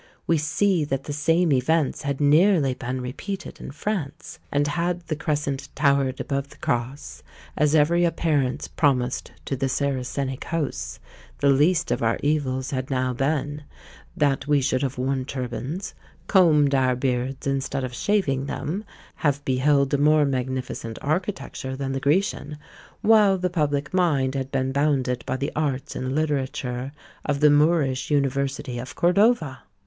We see that the same events had nearly been repeated in France: and had the Crescent towered above the Cross, as every appearance promised to the Saracenic hosts, the least of our evils had now been, that we should have worn turbans, combed our beards instead of shaving them, have beheld a more magnificent architecture than the Grecian, while the public mind had been bounded by the arts and literature of the Moorish university of Cordova!